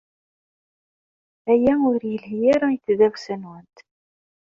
Aya ur yelhi ara i tdawsa-nwent.